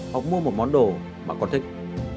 hoặc mua một món đồ mà con thích